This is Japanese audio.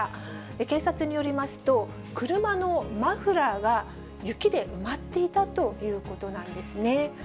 警察によりますと、車のマフラーが雪で埋まっていたということなんですね。